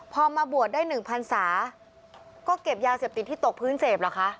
พอมาบวชได้๑พันศาก็เก็บยาเสพติดที่ตกพื้นเสพเหรอคะ